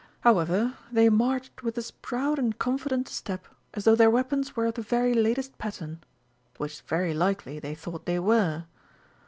However, they marched with as proud and confident a step as though their weapons were of the very latest pattern which very likely they thought they were.